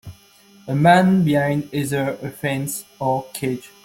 A man behind either a fence or cage.